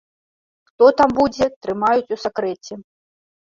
Хто там будзе, трымаюць у сакрэце.